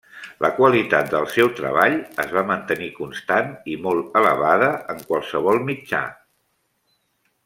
La qualitat del seu treball es va mantenir constant i molt elevada en qualsevol mitjà.